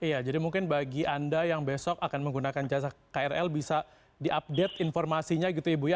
iya jadi mungkin bagi anda yang besok akan menggunakan jasa krl bisa diupdate informasinya gitu ibu ya